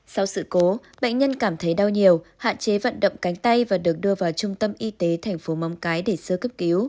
sau sự cố bệnh nhân cảm thấy đau nhiều hạn chế vận động cánh tay và được đưa vào trung tâm y tế tp móng cái để sơ cấp cứu